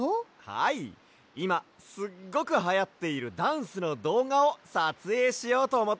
はいいますっごくはやっているダンスのどうがをさつえいしようとおもって。